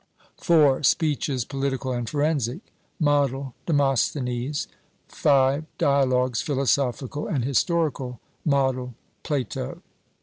4. Speeches, Political and Forensic. Model DEMOSTHENES. 5. Dialogues, Philosophical and Historical. Model PLATO.